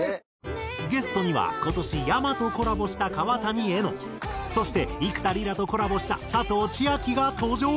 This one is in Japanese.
ゲストには今年ｙａｍａとコラボした川谷絵音そして幾田りらとコラボした佐藤千亜妃が登場。